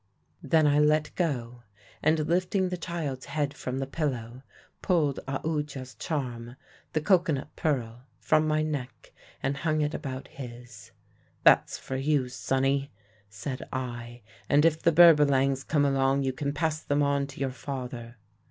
"Then I let go, and lifting the child's head from the pillow pulled Aoodya's charm, the cocoanut pearl, from my neck and hung it about his. 'That's for you, sonny,' said I, 'and if the Berbalangs come along you can pass them on to your father.'